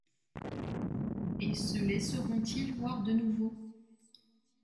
et se laisseront-ils voir de nouveau.